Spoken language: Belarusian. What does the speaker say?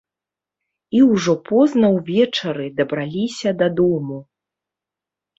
І ўжо позна ўвечары дабраліся дадому.